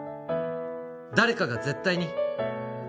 誰かが絶対に